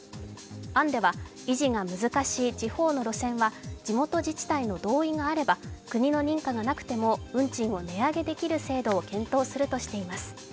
案では維持が難しい地方の路線は地元自治体の同意があれば国の認可がなくても運賃を値上げできる制度を検討するとしています。